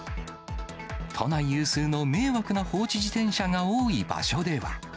都内有数の迷惑な放置自転車が多い場所では。